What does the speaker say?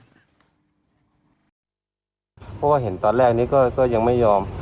เพราะว่าเห็นตอนแรกนี้ก็ยังไม่ยอม